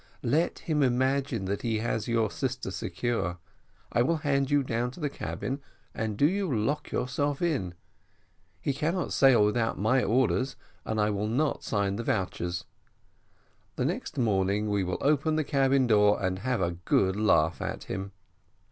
Let him imagine that he has your sister secure; I will hand you down to the cabin, and do you lock yourself in. He cannot sail without my orders, and I will not sign the vouchers. The next morning we will open the cabin door and have a good laugh at him.